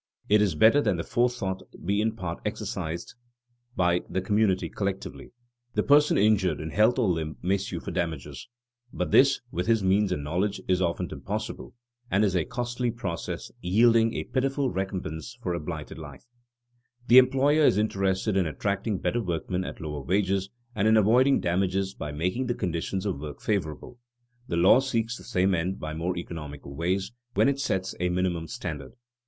It is better that the forethought be in part exercised by the community collectively. (3) The person injured in health or limb may sue for damages. But this, with his means and knowledge, is often impossible, and is a costly process, yielding a pitiful recompense for a blighted life. [Sidenote: Factory laws to reduce accidents] The employer is interested in attracting better workmen at lower wages, and in avoiding damages by making the conditions of work favorable. The law seeks the same end by more economical ways when it sets a minimum standard.